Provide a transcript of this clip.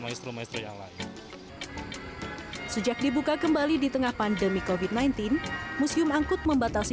maestro maestro yang lain sejak dibuka kembali di tengah pandemi kofit sembilan belas museum angkut membatasi